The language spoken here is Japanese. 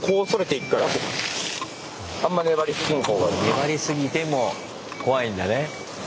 粘りすぎても怖いんだね。